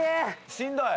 しんどい？